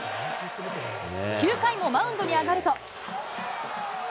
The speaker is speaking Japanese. ９回もマウンドに上がると。